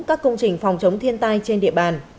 các công trình phòng chống thiên tai trên địa bàn